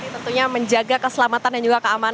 tentunya menjaga keselamatan dan juga keamanan